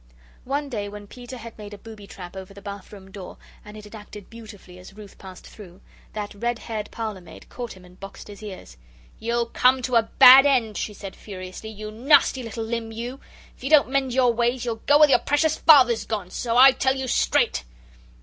One day when Peter had made a booby trap over the bath room door, and it had acted beautifully as Ruth passed through, that red haired parlour maid caught him and boxed his ears. "You'll come to a bad end," she said furiously, "you nasty little limb, you! If you don't mend your ways, you'll go where your precious Father's gone, so I tell you straight!"